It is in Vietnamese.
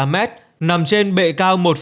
một mươi tám m nằm trên bệ cao